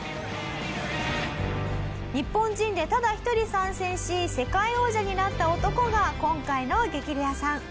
日本人でただ１人参戦し世界王者になった男が今回の激レアさん。